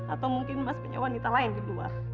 atau mungkin mas punya wanita lain di luar